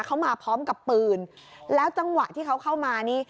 เขามาพร้อมกับปืนแล้วจังหวะที่เขาเข้ามานี่